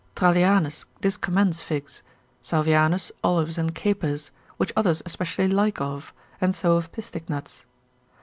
Trallianus discommends figs, Salvianus olives and capers, which others especially like of, and so of pistick nuts.